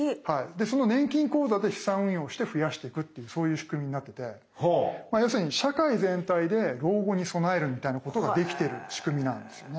でその年金口座で資産運用をして増やしていくっていうそういう仕組みになってて要するに社会全体で老後に備えるみたいなことができてる仕組みなんですよね。